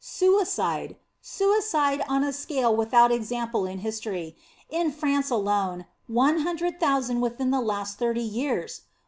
Suicide. Suicide on a scale without example in history. In France alone, one hundred thousand within the last thirty years